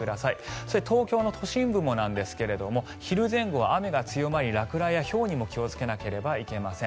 そして、東京の都心部もですが昼前後は雨が強まり落雷やひょうにも気をつけなければなりません。